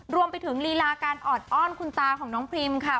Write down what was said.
รวมไปถึงลีลาการออดอ้อนคุณตาของน้องพรีมค่ะ